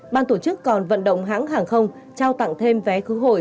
ban tổ chức còn vận động hãng hàng không trao tặng thêm vé khứ hồi